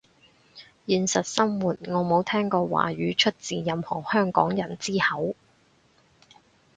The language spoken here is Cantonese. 現實生活我冇聽過華語出自任何香港人之口